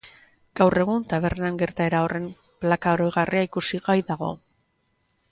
Gaur egun tabernan gertaera horren plaka-oroigarria ikusgai dago.